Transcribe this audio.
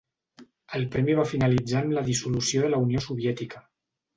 El premi va finalitzar amb la dissolució de la Unió Soviètica.